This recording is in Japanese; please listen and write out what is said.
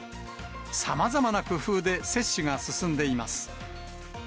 さまざまな工夫で、接種が進んでいます。